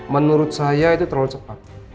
menurut saya itu terlalu cepat